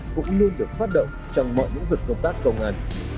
cũng luôn được phát động trong mọi những vực công tác cầu ngàn